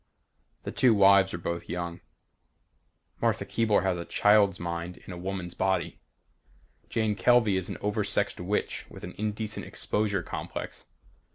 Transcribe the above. The two wives are both young. Martha Keebler has a child's mind in a woman's body. Jane Kelvey is an oversexed witch with an indecent exposure complex.